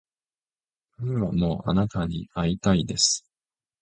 今もあなたに逢いたいです